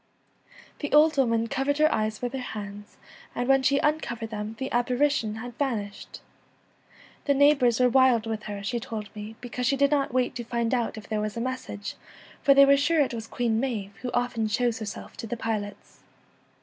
The old woman covered her eyes with her hands, and when she uncovered them the apparition had vanished. The neighbours were l wild with her,' she told me, because she did not wait to find out if there was a mes sage, for they were sure it was Queen Maive, who often shows herself to the pilots.